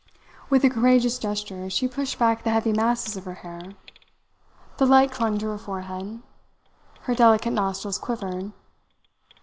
With a courageous gesture she pushed back the heavy masses of her hair. The light clung to her forehead. Her delicate nostrils quivered.